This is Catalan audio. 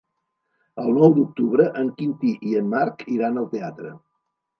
El nou d'octubre en Quintí i en Marc iran al teatre.